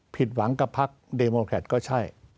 ผิดหวังกับพักเดโมแครตก็ใช่